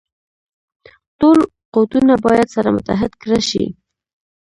ټول قوتونه باید سره متحد کړه شي.